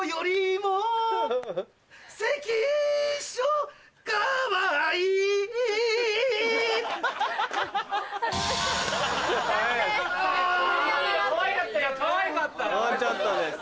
もうちょっとです。